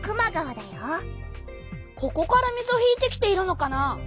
ここから水を引いてきているのかな？